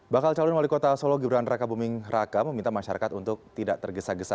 bakal calon wali kota solo gibran raka buming raka meminta masyarakat untuk tidak tergesa gesa